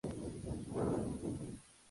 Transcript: Pero a veces tienes que dar un paso atrás.